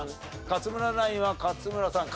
勝村ナインは勝村さん